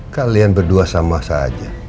kalian berdua sama saja